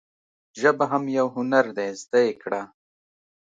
ژبه هم یو هنر دي زده یی کړه.